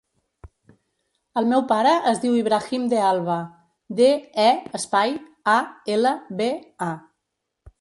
El meu pare es diu Ibrahim De Alba: de, e, espai, a, ela, be, a.